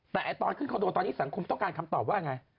แต่ตอนขึ้นคอนโดตอนนี้สังคมต้องการคำตอบว่าไง